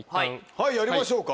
はいやりましょうか。